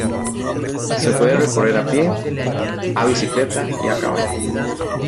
Se puede recorrer a pie, a bicicleta y a caballo.